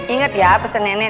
ingat ya pesen nenek